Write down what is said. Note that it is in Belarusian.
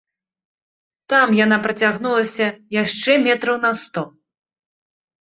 Там яна працягнулася яшчэ метраў на сто.